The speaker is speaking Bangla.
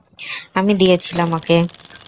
আমি দিয়েছিলাম ওকে।